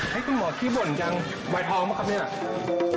เฮ้ยคุณหมอที่บ่นจังวัยทองหรือเปล่าครับนี่